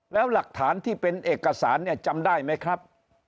แล้วหลักฐานที่เป็นเอกสารเนี่ยจำได้ไหมครับ